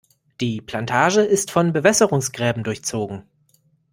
Die Plantage ist von Bewässerungsgräben durchzogen.